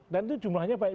dan itu jumlahnya baik